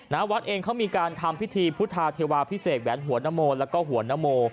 วัดเองเขามีการทำพิธีพุทธาเทวาพิเศษแหวนหัวนโมแล้วก็หัวนโม